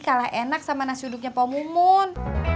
kalah enak sama nasi uduknya pak mumun